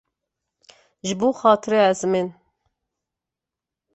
Ji bo xatirê ezmên.